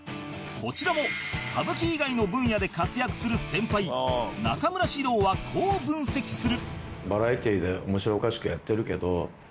こちらも歌舞伎以外の分野で活躍する先輩中村獅童はこう分析する